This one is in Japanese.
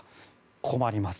困ります。